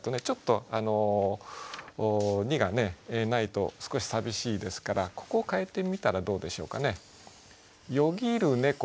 ちょっと「に」がないと少し寂しいですからここを変えてみたらどうでしょうかね。